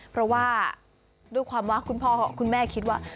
เพราะว่าด้วยความว่าคุณพ่อคุณแม่คิดว่า